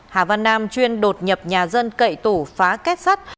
hà văn nam chuyên đột nhập nhà dân cậy tủ phá kết sắt